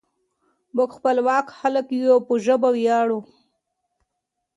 موږ خپلواک خلک یو او په ژبه ویاړو.